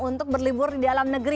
untuk berlibur di dalam negeri